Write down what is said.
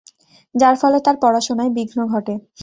যার ফলে তাঁর পড়াশোনায় বিঘ্ন ঘটে।